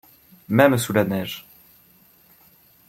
Même sous la neige.